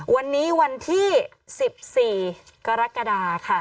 วันนี้วันที่๑๔กรกฎาค่ะ